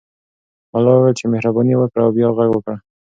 ملا وویل چې مهرباني وکړه او بیا غږ وکړه.